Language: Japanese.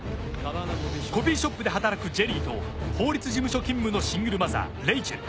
コピーショップで働くジェリーと法律事務所勤務のシングルマザーレイチェル。